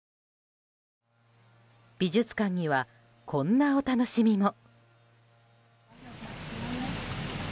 美術館にはこんなお楽しみも。